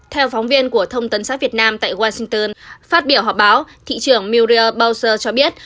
theo phóng viên của thông tấn xã việt nam tại washington phát biểu họp báo thị trưởng muriel bowser cho biết